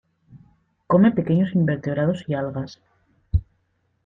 Come pequeños invertebrados y algas.